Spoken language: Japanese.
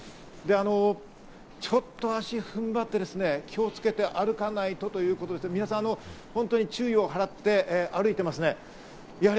で、ちょっと足を踏ん張ってですね、気をつけて歩かないとということで、みなさん、本当に注意を払って歩いていますね。